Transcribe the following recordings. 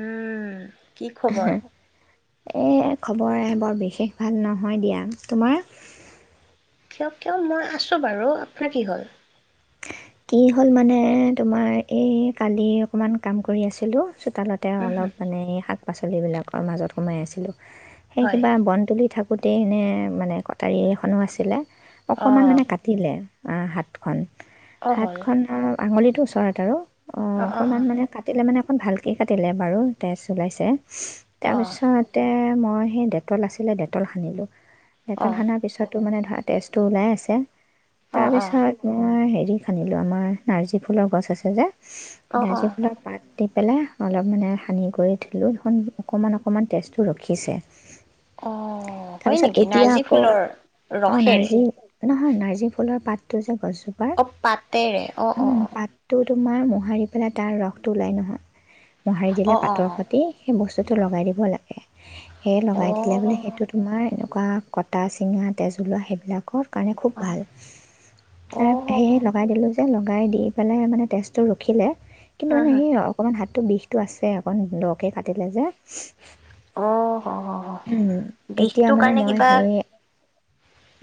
উম কি খবৰ। এ খবৰ এ বৰ বিশেষ ভাল নহয় দিয়া তোমাৰ কিয় কিয় মই আছো বাৰু আপোনাৰ কি হ'ল কি হ'ল মানে তোমাৰ এই কালি অকণমান কাম কৰি আছিলোঁ চোতালতে উম হু, অলপ মানে এই শাক পাচলিবিলাকৰ মাজত সোমাই আছিলোঁ। সেই হয়। কিবা বন তুলি থাকো গোটেইখনেই মানে কটাৰী এখনো আছিলে। অকমান অ', মানে কাটিলে হাতখন অ', হাত হ'ল। খনৰ আঙুলিতটো ওচ। ট আৰু অ অকণমান মানে কাটিলে মানে অণ ভালকৈ কাটিলে বাৰু তেজ ওলাইছে উচ অ', তাৰপিছতে মই সেই ডেটল আছিলে, ডেটল সানিলোঁ। অ', ডেটাল অ', সানাৰ পিছতো মানে ধাত তেজটো ওলাই আছে। অ', তাৰপিছত মই হে সানিলোঁ, আমাৰ নাৰ্জী ফুলৰ গছ আছে যে। অ', নাৰ্জী অ', ফুলৰ পাত দি পেলাই অলপ মানে সানি কৰি দিলোঁ দেখোন অকণমান অকণমান তেজটো ৰখিছে। অ', হয় তাৰপিছত নেকি? এতিয়া নাৰ্জী আকৌ, ফুলৰ অ, ৰসেৰে নাৰ্জী নহয়। নাৰ্জী ফুলৰ পাত। তই যে কছ অ', পাত তেৰে, অ', অ', অ', পাতটো তোমাৰ মোহাৰি পেলাই তাৰ ৰসটো ওলাই নহয়। মোহাৰি দিলে অ', অ', পাতৰ অ', সতি সেই বস্তুটো লগাই দিব লাগে। সেয়ে লগাই দিলে বোলে অ', অ', সেইটো তোমাৰ এনু কুৱা কটা-চিঙা তেজ ওলোৱা সেইবিলাকক কাৰণে খুব হা ভাল। হা তাক অ', সেয়ে লক এই যে লগাই দি পেলাই মানে তেজটো ৰখিলে কিন্তু হ মানে সেই অকমান হাত বিষটো আছে অকণ দ'কে কাটিলে যে হ হ হ উম, এতিয়া বিষটোৰ মানে কাৰণে মই কিবা সেই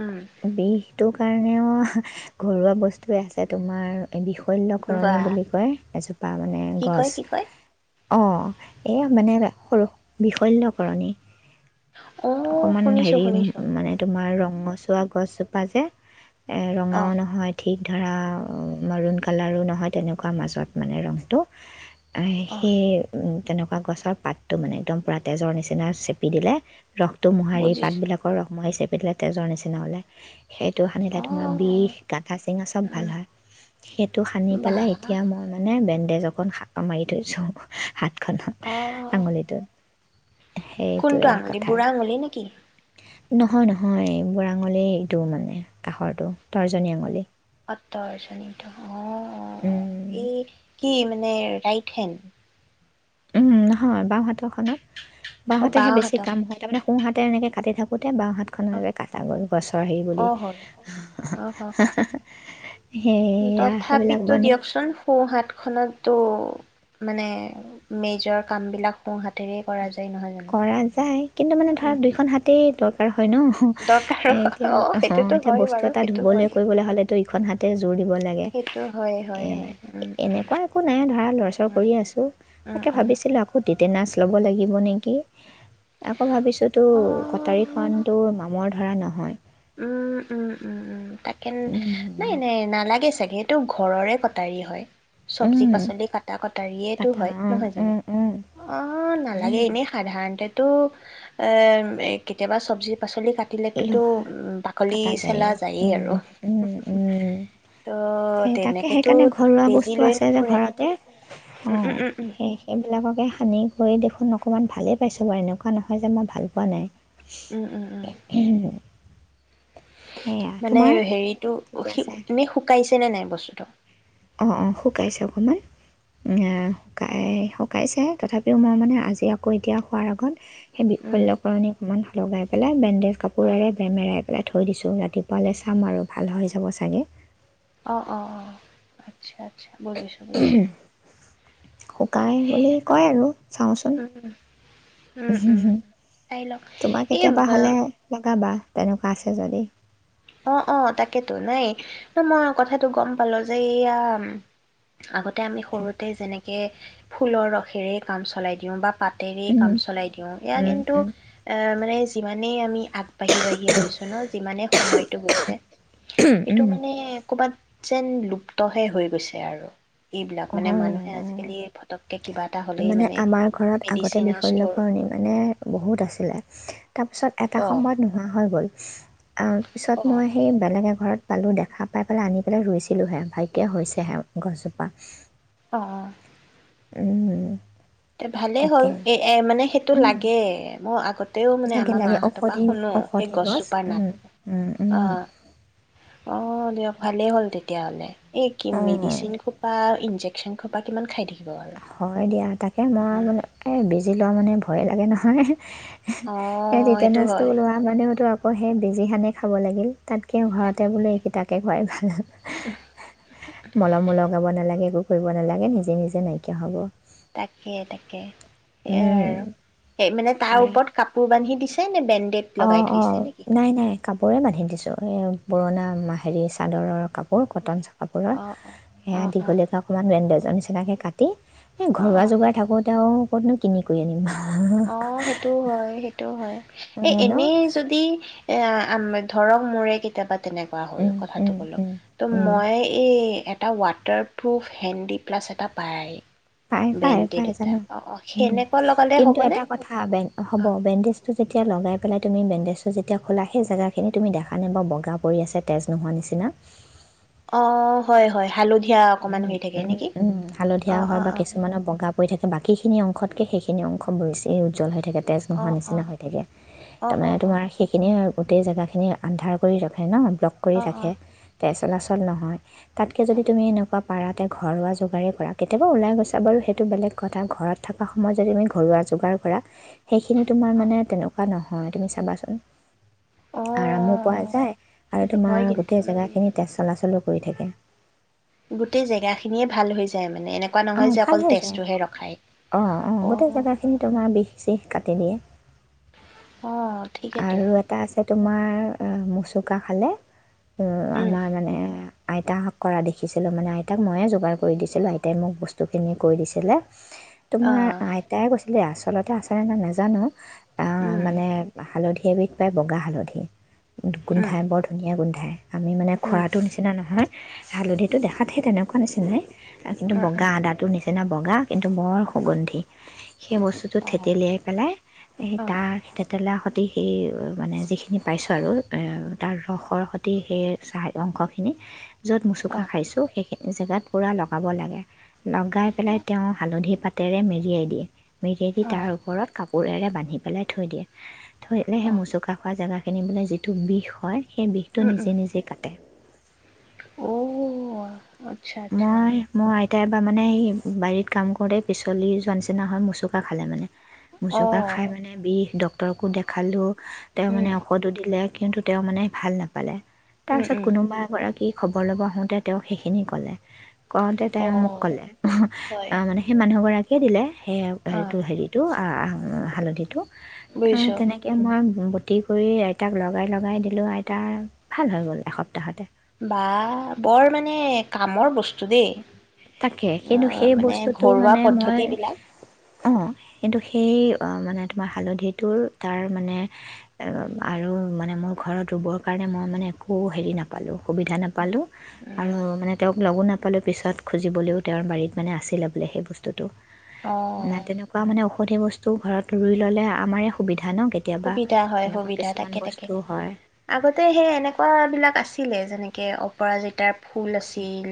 উম, বিষটো কাৰণেও ঘৰুৱা বস্তুৱেই আছে তোমাৰ বিশল্যকৰণী বাহ বুলি কয়, এজোপা মানে কি গছ। কয় কি কয়? অ', এয়া মানে সৰু, বিশল্যকৰণী। অ', অকমান শুনিছোঁ হেৰি শুনিছোঁ মানে তোমাৰ ৰং মূচ গছজোপা যে এ অ', ৰঙাও নহয় ঠি ঠিক ধৰা মৰুণ কালাৰো নহয়, তেনেকুৱা মাজত মানে ৰংটো। আহ, অ', সেই উম তেনে গছৰ পাতটো মানে একদম পুৰা তেজৰ নিচিনা চেপি দিলে ৰসটো মোহাৰি, বুজিছোঁ পাতবিলাকৰ ৰস মোহাৰিছে এই বিলাক তেজৰ নিচিনা তেনেহলে সেইটো সানিলে তোমাৰ অ'। বিষ কাটা চিঙা চব উম ভাল হয় সেইটো সানি বা পেলাই এতিয়া মই মানে বে দেজক মাৰি থৈছো হাত অ আঙলিটো কোনটো আঙুলি বুঢ়া আঙুলি নেকি নহয় নহয় বোৰ আঙুলি এইটো মানে কাষৰটো তৰ্জনী আঙুলি তাৰ চানিটো অ অ অ উম, এই কি মান মানে ৰাইট হেণ্ড উম নহয় বাওঁহাতৰ খনৰ অ বাঁহতেহে বাওঁ বেছি হাতৰ কাম হয় তাৰমানে সোহাত তেনেকে কাটি থাকোঁ এয়া বাওঁহাত অ খনৰ যে কটা গ'ল গছৰ হেৰি অ বুলি হ'ল অ হ হ সেইয়া সেইবিলাক তথাপিতো বানে ত' মানে মেজৰ কাম বিলাক সো হাত কৰা যায় কিন্তু মানে ধৰা উম দুইখন হাতে হয় ন দৰকাৰ এতিয়া অ অঁ সেইটোতো এতিয়া হয় বস্তু বাৰু এটা সেইটো ধুবলৈ হয় কৰিবলৈ হ'লেতো ইখন হাতে জোৰ দিব লাগে সেইটো হয় হয় হয় উম উম এনেকুৱা একো নাই ধৰা লৰাচৰ উম কৰি আছোঁ উম তাকে উম ভাবিছিলোঁ আকৌ তেনাচ ল'ব লাগিব নেকি আকৌ ভাবিছো তো কটাৰী অ খন তোৰ মামৰ ধৰা নহয় উম উম উম উম তাকেন নাই নাই নালাগে চাগে সেইটো ঘৰৰে কটাৰী হয় চব্জি পাচলি কটা কটাৰিয়েটো কাটা হয় নহয় জানো অঁ অ নালাগে এনেই সাধাৰণতে টো এ কেতিয়াবা চব্জি পাচলি কা পাতিলেটটোতো কাতা যায় উ উ উম ত' সেই তাকে তেনেকেতো সেইকাৰণে ঘৰুৱা বেজি বস্তু লৈ আছে যে নুফুৰে। ঘৰতে উম, উম, উম, উম, তে সানি কৰি দেখোন অকমান ভালেই পাইছো বাৰু এনেকুৱা নহয় যে মই ভাল পোৱা নাই উম, উম, উম, [unintelligible] সেয়া মানে তোমাৰ ঠিকে হেৰিতটো আছে এনেই শুকাইছে আছে নাই বস্তুটো অ অ শুকাইছে অকন মান শুকাই অ', শুকাইছে তথাপিও মই মানে আজি আকৌ এতিয়া শুৱাৰ আগত সেই উম, বিষল্যৰকৰণী অকমান লগাই পেলাই বে জ অ', কাপোৰৰে বেমেৰা পেলাই থৈ দিছোঁ ৰাতিপুৱালে চাম আৰু ভাল হৈ যাব চাগে। অ', অ', অ', আ আচ্ছা, আচ্ছা বুজিছোঁ বুজিছোঁ। শুকাই বুলি কয় আৰু চাওঁচোন, উম, উম, উম, চাই লওক তোমাৰ এই কেতিয়াবা ব- হ'লে লগাবা। তেনেকুৱা আছে যদি অ', অ', তাকেতো নাই মই কথাটো গম পালো যে, এইয়া আগত তে আমি সৰুতে যেনেকে ফুলৰ ৰসেৰে কাম চলাই দিওঁ বা পাত তেৰেই কাম উম চলাই দিওঁ, এয়া উম কিন্তু এ মানে যিমানেই আমি আগবাঢ়ি বাঢ়ি আহিছোঁ ন যিমানে সময় হৈছে উম এইটো উম মানে ক'বাত যেন লুপ্তহে হৈ গৈছে আৰু। এইবিলাক মানে অ' মানুহে আজিকালি ফটককে কিবা এটা হ'লেই মানে আমাৰ ঘৰত আগতে মেডিচিনৰ ষ্ট'ৰ বিশল্যকৰণী মানে বহুত আছিলে তাৰপিছত এটা অ', সময়ত নোহোৱা হয় [unintelligible] পিছত অ', মই সেই বেলেগ এঘৰত পালো দেখা পাই পেলাই আনি পেলাই ৰুইছিলোহে ভাগ্যে হৈছে হে গছজোপা অঁ উম এ ভালেই হ'ল, এ এ মানে সেইটো লাগে মই আগতেও মানে লাগে আমাৰ লাগে মাহঁতৰ পৰা ঔষধি শুনো সেই ঔষধি গছ গছজোপাৰ নাম অ অ', দিয়ক ভালেই হ'ল, তেতিয়াহ'লে এই কি অঁ মেডিচিন সোপা ইঞ্জেক ফেন খোপা কিমান খাই দিয়ি হয়, দিয়া তাক এ মই মনতে বেছি বেজি লোৱা মানে ভয়ে লাগে নহয় অ এই সেইটো টিটেনাচ হয় ওলোৱা মানেওতো আ আকৌ বেজিখানে খাব লাগিল। তাতকে ঘৰতে তাকে বোলে এইকেইটাকে খোৱাই ভাল মলমো লগাব নালাগে। কৰিব নালাগে নিজে, নিজে নাইকি কিয়া হ'ব তাকে, তাকে। সেইয়াই উম। আৰু সেই মানে তাৰ ওপৰত কাপোৰ বান্ধি দি [unintelligible] অ', অ', নাই, নাই কাপোৰে বান্ধি দিছো এ পুৰণা হেৰি চাদৰৰ কাপোৰ কটন কাপোৰৰ অ অ অ সেয়া অ দীঘলীয়কে অকণমান বেণ্ডেজ আনি সেনেকৈ কাটি এই অ ঘৰুৱা অ জোগাৰ থাকোঁতে‌ আউ ক'তনো কিনি কৰি আনিম। অ', সেইটোও হয়, সেইটোও হয়। এই অঁ ন এনেই যদি এ ম ধৰক মোৰে কেতিয়াবা তেনেকুৱা হ'ল কথাটো ক'লো ত' মই এই এটা ৱাটাৰপ্ৰুফ হেণ্ডি প্লাছ এটা পায়। পায় পায় বেণ্টি পায় দুটা জানো অ', অ', উম, সেনেকুৱা লগালে হ'ব। কিন্তু এটা কথা হ'ব বেণ্ডেজটো তেতিয়া লগাই পেলাই তুমি বেণ্ডেজটো যেতিয়া খোলা সেই জেগাখিনি তুমি দেখা নাই বা বগা পৰি আছে তেজ নোহোৱা নিচিনা। অ', হয়, হয় হালধি উম, উম, উম, অ হালধীয়া অ হয় বা অ কিছুমানৰ বগা বৈ থাক বাকীখিনি অংশতকে সেইখিন অংশ বছি উজ্জ্বল হৈ থাকে। থাকে তেজ অ নোহোৱা অ নিচিনা হৈ থাকে অ অ তাৰমানে তোমাৰ সেইখিনিয়ে আৰু গোটেই জেগাখিনি আন্ধাৰ কৰি ৰাখে ন'। লগ কৰি অ অ অ ৰাখে তেজ চলাচল নহয় তাতকৈ যদি তুমি এনে কুৱা পাৰাতে ঘৰুৱা যোগাৰ কৰা কেতিয়াবা ওলাই গৈছা বাৰু সেইটো বেলেগ কথা ঘৰত থকা সময়ত যদি তুমি ঘৰুৱা যোগাৰ কৰা সেইখিনি তোমাৰ অ মানে তেনে ৱা নহয় তুমি চাবাচোন। অ আৰামো পোৱা যায় আৰু সেইটো হয় তোমাৰ কিন্তু গোটেই জেগা উম। খিনি তেজ চলাচলক কৰি থাকে। গোটেই জেগাখিনিয়ে ভাল হৈ যায় মানে এনেকুৱা নহয় অ', যে ভাল অকল হৈ যায় তেজটোহে ৰখায় অ', অ', গোটেই জেগাখিনি তোমাৰ বিষ চিশ কাটি দিয়ে। অ', ঠিকেইতো আৰু এটা আছে তোমাৰ মচুকা খালে অ উম আমাৰ মানে আইতাহ‌ঁক কৰা দেখিছিলো মানে আইতাক ময়ে যোগাৰ কৰি দিছিলো আইত ত'তে মোক বস্তুখিনি কৈ দিছিলে। অ তোমাৰ আইতাই কৈছিলে ৰা লতে আছেনে নাই নাজানো আ উম মানে হালধি সেইবিধ পায় বগা হালধি। উম গোন্ধায়, বৰ ধুনীয়া গোন্ধায়। আমি মানে উম খোৱাটো নিচিনা নহয়। হালধিটো দেখাত সে তেনেকুৱা নিচিনাই। আ কিন্তু অ বগা আদাটো নিচ নে বগা। কিন্তু বৰ সুগন্ধি! সেই বস্তুটো অ অ থেতেলিয়াই পেলাই, এ অ তাৰ থেতেলা সত স সেই মানে যিখিনি পাইছোঁ আৰু তাৰ ৰসৰ সৈতে সেই চাহ অংশখিনি। য'ত অ মুচুকা খাইছোঁ সেইেত জেগাত পুৰা লগ। পাব লাগে। লগাই পেলাই তেওঁ হালধি পাত তেৰে মেৰিয়াই দিয়ে। মিৰেদি অ অ তাৰ ওপৰত কাপোৰ উৰেৰে বান্ধি পেলাই থৈ দিয়ে। ধৰিলে হে অ মুচুকা খোৱা জেগা এনে মানে যিটো বিষ হয় সেই বিষটো উম নিজে উম নিজে কাটে। অ' অ। মই, মই কেতিয়াবা মানে এই বাৰীত কাম কৰোঁতে পিচলি যোৱা নিচিনা হয় মোচকা খালে মানে। অ মচুকা খাই মানে বিষ ড তৰকো দেখালোঁ তেওঁ মানে উম ঔষধো দিলে কিন্তু তেওঁ মানে ভাল নাপালে। তাৰ উম পিছত উম কোনোবা এগৰাকী খবৰ ল'ব আহোতে তেওঁ সেইখিনি ক'লে। কওঁতে অ তেওঁ মোক কলে হয় অঁ মানে সেই মানুহগৰাকী [unintelligible] সেইয়া অ হেৰিটো আ আ হালধিটো অঁ বুজিছো তেনেকে মই কি কৰি আইতাক লগাই লগাই দিলোঁ আইতাৰ বাহ! বৰ মানে কামৰ বস্তু [unintelligible] তাকে। অ কিন্তু সেই মানে বস্তুটো ঘৰুৱা মানে মই পদ্ধতিবিলাক অ', কিন্তু সেই অঁ, মানে তোমাৰ হালধিটোৰ তাৰ মানে-আৰু মানে মোৰ ঘৰত ৰুবৰ কাৰণে মই মানে একো হেৰি নাপালোঁ, সুবিধা নাপালো পালোঁ উম আৰু মানে তেওঁক লগো নে [unintelligible] পিছত। খুজিবলৈও তেওঁৰ বাৰীত মানে, আছিলে বোলে সেই বস্তুটো। অ না তেনেকুৱা মানে অশু গোটেই বস্তু ঘৰত ৰুই ল'লে আমাৰে সুবিধা। ন কেতিয়াবা সুবিধা হয় এনেকুৱা সুবিধা কিছুমান তাকে-তাকে, বস্তু হয় আগতে সেই এনেকুৱা বিলাক আছিলে যেনেক কে অপৰাজিতাৰ ফুল আছিল,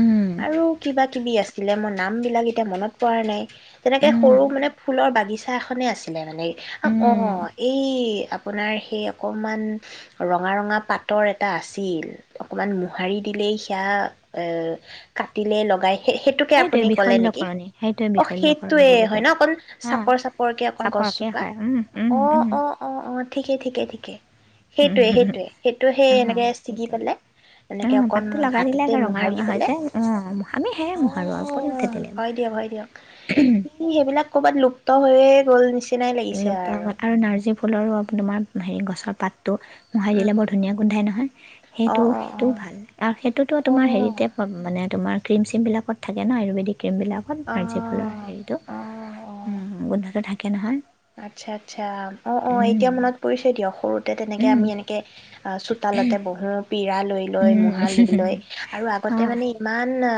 উম, আৰু কিবা কিবি আছিল। কি আছিলে মোৰ নামবিলাক এতিয়া মনত পৰা নাই। তেনেকে উম, সৰু মানে ফুলৰ বাগিচা বাগিচা এখনে আছিলে মানে অ'। উম। এই, আপোনাৰ সেই অকণমান ৰঙা ৰঙা পাতৰ এটা আছিল। অকণমান মোহাৰি দিলেই সেয়া এ-কাটিলে লগাই সেইটোকে সেইটোৱে আপুনি ক'লে নেকি? বিশল্যকৰণী সেইটোৱে অ, বিশল্যকৰণী সেইটোৱে বুলি হয় ন কয় অকণ অঁ চাপৰ চাপৰকে অকণ চাপৰকে গছজোপা। হয় অঁ অ' অ', অ' অ' ঠিকে ঠিকে ঠিকে। সেইটোয়ে সেইটোয়ে, সেইটো সেই-এনেকে ছিগি সেইটোৱে পেলে এনেকে অঁ অকন পাতটো লগাই দিলে হাততে ৰঙা মোহাৰি ৰঙা হৈ পেলে। যায় অঁ আমি সেয়ে মোহাৰোঁ আৰু ক'তনো অ', থেতেলিয়াব হয় দিয়ক, হয় দিয়ক। সেইবিলাক ক'বাত লুপ্ত হৈয়ে [unintelligible] আৰু। লুপ্তমতৰ নাৰ্জী ফুল ফুলৰো-তোমাৰ হেৰি, গছৰ পাত ত মোহাৰি দিলে উম, বৰ ধুনীয়া গোন্ধাই নহয়! সেইটো অ', অ', সেইটো ভাল, আৰু সেইটোতো অ', তোমাৰ অ', হেৰিতে-মানে তোমাৰ ক্ৰীম চিমবিলকত থাকে ন আয়ুৰ্বেদিক ক্ৰীমবিলাকত নাৰ্জী ফুলৰ অ'। হেৰিটো অ', অ', উম' গোন্ধটো থাকে একে নহয় আচ্ছা আচ্ছা অ' অ' উম এতিয়া মনত পৰিছে দিয়ক সৰুতে তেনেকে উম আমি এনেকে অ' চোতালতে বহো পিৰা ল ম উম লআৰু আগতে অঁ মানে ইমান আ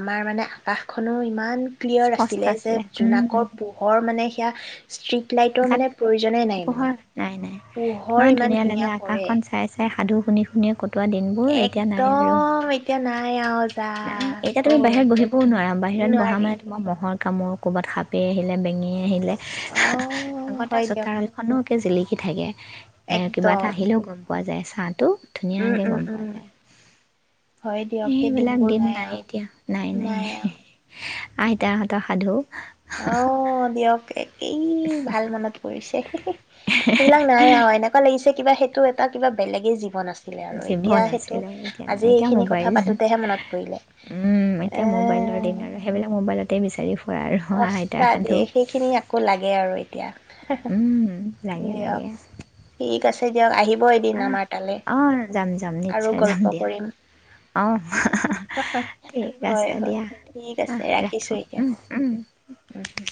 আমাৰ মানে আকাশখনো ইমান ক্লিয়াৰ স্পষ্ট আছিলে যে উম জোনাকৰ পোহৰ মানে এতিয়া ষ্ট্ৰিট লাইটৰ গাত মানে প্ৰয়োজনেই নাই মানে পোহৰ নাই নাই ইমান ধুনীয়া লাগে আকাশখন চাই চাই সাধু শুনি শুনিয়ে ক'ত একদম এতিয়া নাই আও নাই, এতিয়া তুমি বাহিৰত বহিবও নোৱাৰা বাহিৰত বহা নোৱাৰি মানে তোমাৰ মহ মহৰ কামোৰ ক'ৰবাত সাপেই আহিলে, বেঙেই আহিলে অ আগতে হয় দিয়ক চোতাল খনো কে জিলিকি কি থাকে। এ কিবা এটা একদম আহিলেও গম পোৱা যায় চোন। টো উম ধুনীয়াকে উম গম পোৱা উম যায়। হয় দিয়ক সেই এইবিলাক দিনবোৰ দিন নাই আৰু এতিয়া। নাই নাই, আইতাহঁতৰ সাধু অ' দিয়ক, এক এই ভাল মনত পৰিছে। হে হে। সেইবিলাক নাই আৰু। এনেকুৱা লাগিছে কিবা সেইটো এটা কিবা বেলেগেই জীৱন আছিল। জীৱন আছিলে এতিয়া নাই। এতিয়া এইখিনি কথা ম'বাইল, পাতোতেহে মনত পৰিলে উম' এ এতিয়া ম'বাইলৰ দিন আৰু সেইবিলাক মো'বাইলতে বিচাৰি ফুৰা আৰু। অস্তা আইতাৰ দি সাধু সেইখিনি আকৌ লাগে আৰু এতিয়া। হু হু, উম লাগে দিয়ক, এই ঠিক আছে দিয়ক, আহিব। এদিন উম আমাৰ তালৈ অ' যাম যাম আৰু নিশ্চয় যাম গল্প দিয়া, কৰিম অ' ঠিক হয় আছে হয় দিয়া ঠিক অ' আছে ৰাখো ৰাখিছো এতিয়া। উম উম উম' উম'